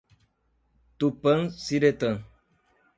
Tupanciretã